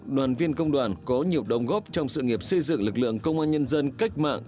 đoàn viên công đoàn có nhiều đóng góp trong sự nghiệp xây dựng lực lượng công an nhân dân cách mạng